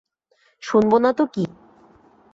শুনব না তো কী।